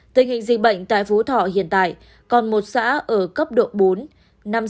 tình hình dịch bệnh tại phú thọ hiện tại còn một xã ở cấp độ bốn năm xã ở cấp độ ba